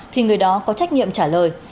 thì người đó có trách nhiệm trả lời